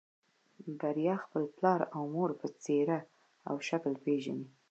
بريا خپل پلار او مور په څېره او شکل پېژني.